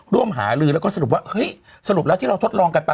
หาลือแล้วก็สรุปว่าเฮ้ยสรุปแล้วที่เราทดลองกันไป